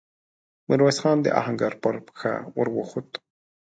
ميرويس خان د آهنګر پر پښه ور وخووت.